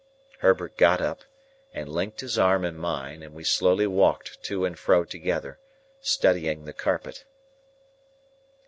Herbert got up, and linked his arm in mine, and we slowly walked to and fro together, studying the carpet.